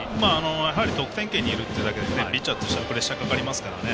やはり得点圏にいるだけでピッチャーとしてはプレッシャーかかりますからね。